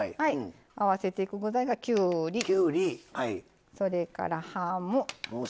合わせていく具材が、きゅうりそれから、ハム。